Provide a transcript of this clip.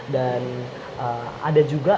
dan ada juga